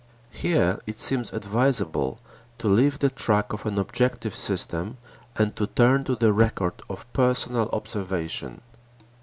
Here it seems advisable to leave the track of an objective system and to turn to the record of personal observation.